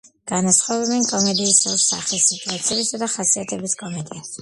განასხვავებენ კომედიის ორ სახეს: სიტუაციებისა და ხასიათების კომედიას.